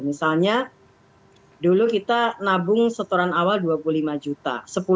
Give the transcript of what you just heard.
misalnya dulu kita nabung setoran awal dua puluh lima juta